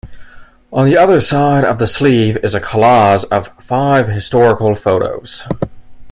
On the other side of the sleeve is a collage of five historical photos.